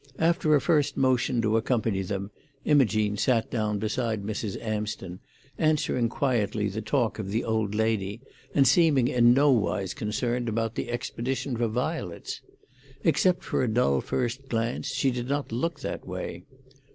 After a first motion to accompany them, Imogene sat down beside Mrs. Amsden, answering quietly the talk of the old lady, and seeming in nowise concerned about the expedition for violets. Except for a dull first glance, she did not look that way.